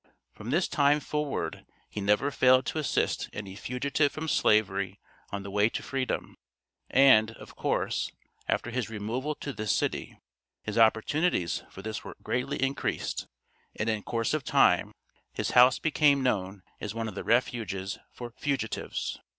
From this time forward, he never failed to assist any fugitive from Slavery on the way to freedom, and, of course, after his removal to this city, his opportunities for this were greatly increased, and in course of time, his house became known as one of the refuges for fugitives.